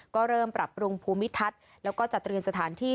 ก็เริ่มปรับปรุงภูมิทัศน์แล้วก็จัดเตรียมสถานที่